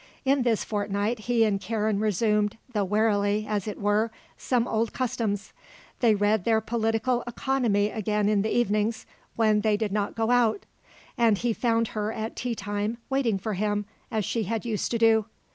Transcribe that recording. In this fortnight he and Karen resumed, though warily, as it were, some old customs. They read their political economy again in the evenings when they did not go out, and he found her at tea time waiting for him as she had used to do.